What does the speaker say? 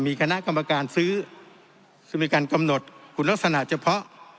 มีคณะกรรมการซื้อซึ่งมีการกำหนดคุณลักษณะเฉพาะ